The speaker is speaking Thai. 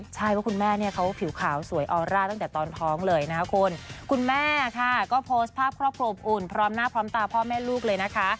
ใช่ว่าคุณแม่เนี่ยเขาผิวขาวสวยออร่าตั้งแต่ตอนท้องเลยนะคะคุณคุณแม่ค่ะก็โพสต์ภาพครอบครัวอบอุ่นพร้อมหน้าพร้อมตาพ่อแม่ลูกเลยนะคะ